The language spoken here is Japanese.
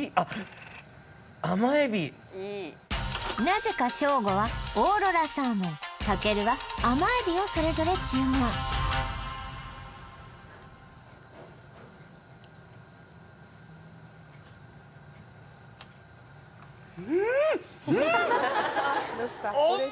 なぜかショーゴはオーロラサーモンたけるは甘えびをそれぞれ注文うーんうーん！